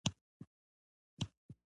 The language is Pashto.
ژوندي فرهنګ ژوندی ساتي